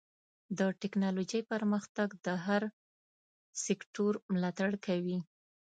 د ټکنالوجۍ پرمختګ د هر سکتور ملاتړ کوي.